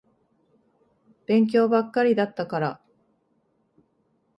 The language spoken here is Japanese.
勉強ばっかりだったから。